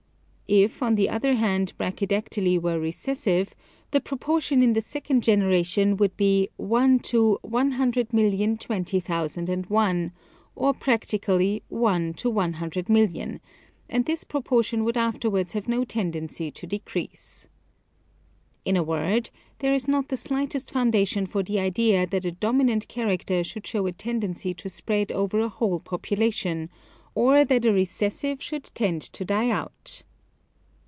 If, on the other hand, brachydactyly were recessive, the proportion in the second generation would be 1 : 100,020, 001, or practically 1 : 100,000,000, and this pro portion would afterwards have no tendency to decrease. In a word, there is not the slightest founda tion for the idea that a dominant character should show a tendency to spread over a whole population, or that a recessive should tend to die out.